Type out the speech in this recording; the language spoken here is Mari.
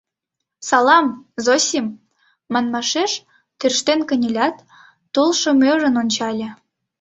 «Салам, Зосим!» манмашеш тӧрштен кынелят, толшым ӧрын ончале.